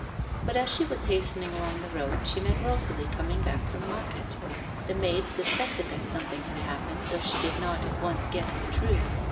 But as she was hastening along the road she met Rosalie coming back from market ; the maid suspected that something had happened though she did not at once guess the truth.